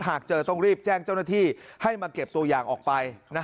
หากเจอต้องรีบแจ้งเจ้าหน้าที่ให้มาเก็บตัวอย่างออกไป